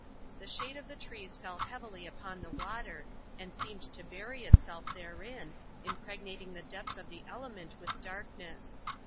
The shade of the trees fell heavily upon the water, and seemed to bury itself therein, impregnating the depths of the element with darkness.